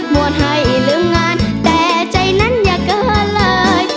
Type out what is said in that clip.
บวชให้ลืมงานแต่ใจนั้นอย่าเกินเลย